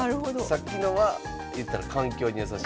さっきのはいったら環境にやさしい。